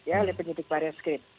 ya oleh penyidik baria skrip